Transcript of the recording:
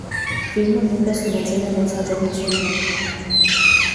Ֆիլմը նույնպես ունեցել է մեծ հաջողություններ։